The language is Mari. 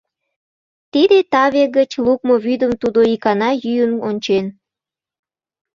Тиде таве гыч лукмо вӱдым тудо икана йӱын ончен.